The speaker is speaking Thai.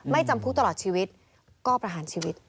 จำคุกตลอดชีวิตก็ประหารชีวิต